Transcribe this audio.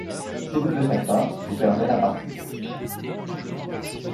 Si vous ne le faites pas, vous perdez la partie.